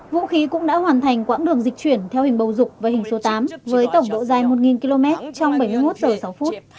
vũ khí cũng đã hoàn thành quãng đường dịch chuyển theo hình bầu dục và hình số tám với tổng độ dài một km trong bảy mươi một giờ sáu phút